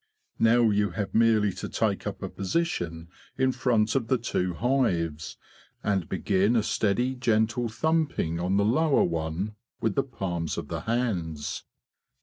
Now you have merely to take up a position in front of the two hives, and THE BEE BURNERS 213 begin a steady gentle thumping on the lower one with the palms of the hands.